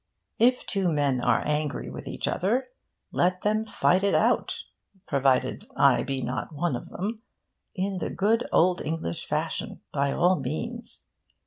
If two men are angry with each other, let them fight it out (provided I be not one of them) in the good old English fashion, by all means.